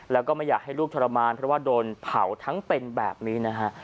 แล้วก็ไม่อยากให้ลูกทรมานเพราะว่าโดนเผาทั้งเป็นแบบนี้นะฮะ